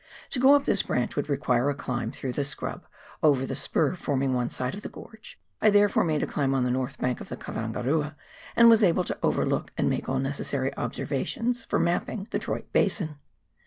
To go up this branch would require a climb through the scrub over the spur forming one side of the gorge, I therefore made a climb on the north bank of the Karangarua and was able to overlook, and make all necessary observations for mapping, the Troyte basin.